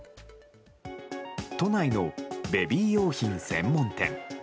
都内のベビー用品専門店。